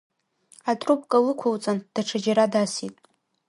Атрубка лықәылҵан, даҽаџьара дасит.